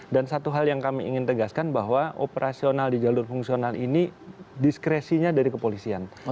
dan satu hal yang kami ingin tegaskan bahwa operasional di jalur fungsional ini diskresinya dari kepolisian